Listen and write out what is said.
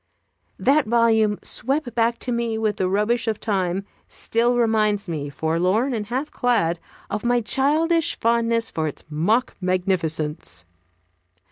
That volume, swept back to me with the rubbish of Time, still reminds me, forlorn and half clad, of my childish fondness for its mock magnificence.